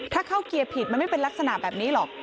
ถ้าเข้าเกียร์ผิดมันไม่เป็นลักษณะแบบนี้หรอก